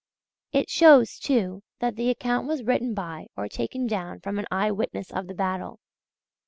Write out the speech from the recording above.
It shows, too, that the account was written by or taken down from an eye witness of the battle.